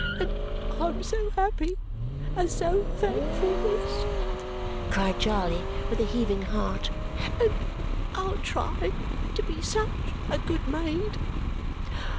And I'm so happy and so thankful, miss," cried Charley with a heaving heart, "and I'll try to be such a good maid!"